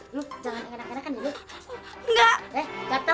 lu jangan enak enakan ya lu